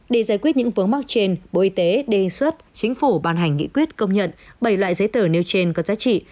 để giải quyết những vướng mắc trên bộ y tế đề xuất chính phủ ban hành nghị quyết công nhận bảy loại giấy tờ nêu trên có giá trị